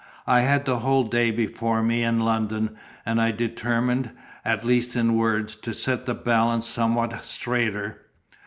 I had the whole day before me in London, and I determined (at least in words) to set the balance somewhat straighter.